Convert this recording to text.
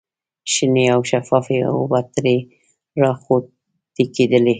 شنې او شفافې اوبه ترې را خوټکېدلې.